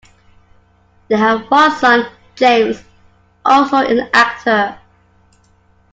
They have one son, James, also an actor.